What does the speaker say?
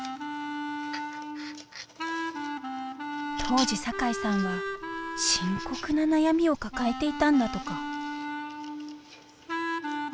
当時酒井さんは深刻な悩みを抱えていたんだとか。